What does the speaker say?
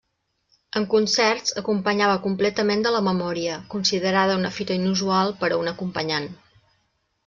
En concerts acompanyava completament de la memòria, considerada una fita inusual per a un acompanyant.